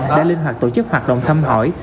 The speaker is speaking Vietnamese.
đã linh hoạt tổ chức hoạt động thăm hỏi